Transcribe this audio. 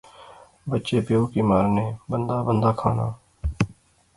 بچے پیو کی مارنے۔۔۔ بندہ بندہ کھانا